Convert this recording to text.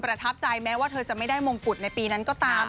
ทับใจแม้ว่าเธอจะไม่ได้มงกุฎในปีนั้นก็ตาม